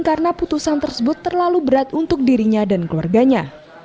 karena putusan tersebut terlalu berat untuk dirinya dan keluarganya